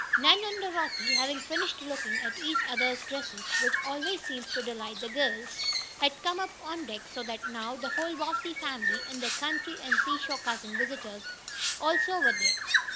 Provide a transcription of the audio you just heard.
Nan and Dorothy, having finished looking at each other's dresses, which always seems to delight girls, had come up on deck so that now the whole Bobbsey family, and their country, and seashore cousin visitors also, were there.